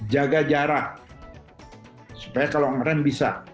jaga jarak supaya kalau ngerem bisa